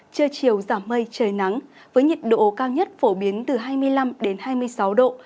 trưa chiều giảm mây trời nắng với nhiệt độ cao nhất phổ biến từ hai mươi năm hai mươi sáu độ